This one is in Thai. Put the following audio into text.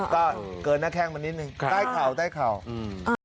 ก็เกินหน้าแข้งมานิดนึงครับใต้เข่าใต้เข่าอืม